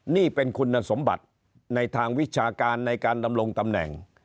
นี่เป็นคุณสมบัติในทางวิชาการในการดำรงตำแหน่ง